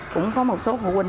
cũng có một số phụ huynh